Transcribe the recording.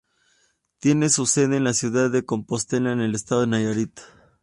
Tiene su sede en la ciudad de Compostela en el estado de Nayarit.